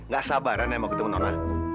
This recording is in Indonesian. gak sabaran ya mau ketemu orang